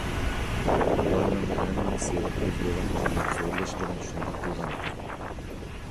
ئۇلارنىڭ ھەممىسى ئۆز بوۋاقلىرىنىڭ زورلىشى بىلەن شۇنداق قىلغان ئىدى.